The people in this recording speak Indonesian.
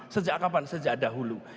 sejak kapan sejak dahulu